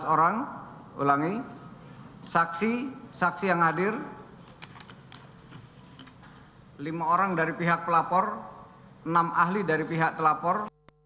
sebelas orang ulangi saksi saksi yang hadir lima orang dari pihak pelapor enam ahli dari pihak telapor